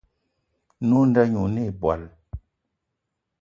Nwǐ nda ɲî oné̂ ìbwal